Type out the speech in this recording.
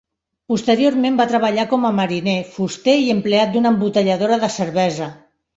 Posteriorment va treballar com a mariner, fuster i empleat d'una embotelladora de cervesa.